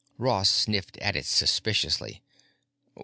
Ross sniffed at it suspiciously.